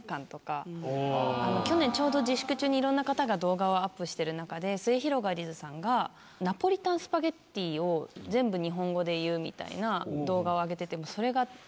去年ちょうど自粛中にいろんな方が動画をアップしてる中ですゑひろがりずさんが「ナポリタンスパゲティ」を全部日本語で言うみたいな動画を上げてて。